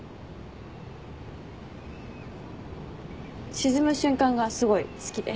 沈む瞬間がすごい好きで。